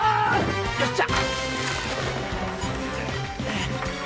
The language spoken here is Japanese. よっしゃ！